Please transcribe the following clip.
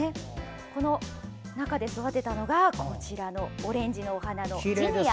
この中で育てたのがオレンジのお花のジニア。